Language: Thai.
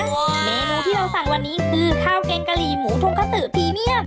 เมนูที่เราสั่งวันนี้คือข้าวแกงกะหรี่หมูทุ่งกระสือพรีเมียม